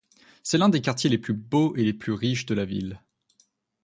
C'est l'un des quartiers les plus beaux et les plus riches de la ville.